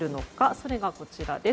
それがこちらです。